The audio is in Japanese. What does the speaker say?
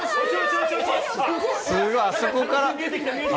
すごい、あそこから。